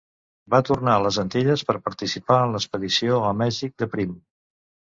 Va tornar a les Antilles, per participar en l'expedició a Mèxic de Prim.